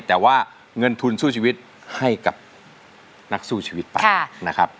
แต่ว่าเงินทุนสู้ชีวิตให้กับนักสู้ชีวิตไปนะครับ